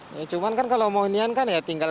ya cuman kan kalau mau inian kan ya tinggal